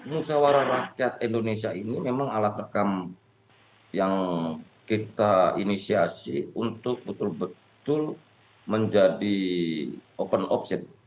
musawarah rakyat indonesia ini memang alat rekam yang kita inisiasi untuk betul betul menjadi open option